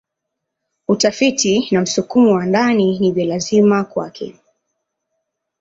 Utafiti na msukumo wa ndani ni vya lazima kwake.